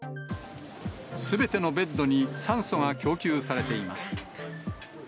すべてのベッドに酸素が供給されています。